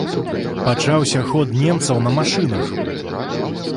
Пачаўся ход немцаў на машынах.